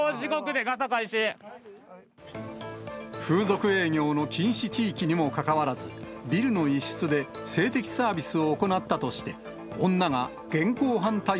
風俗営業の禁止地域にもかかわらず、ビルの一室で性的サービスを行ったとして、女が現行犯逮